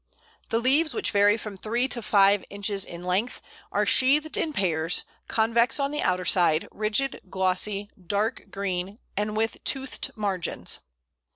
The leaves, which vary from three to five inches in length, are sheathed in pairs, convex on the outer side, rigid, glossy, dark green, and with toothed margins.